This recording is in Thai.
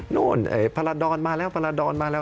โน้นพระราดรมาแล้วพระราดรมาแล้ว